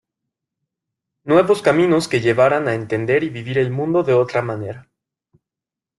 Nuevos caminos que llevaran a entender y vivir el mundo de otra manera.